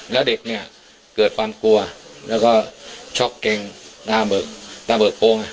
แล้วเด็กเนี่ยเกิดความกลัวแล้วก็ช็อกเก่งหน้าเบิกโกง